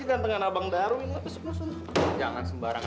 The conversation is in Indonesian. kenapa gak macbook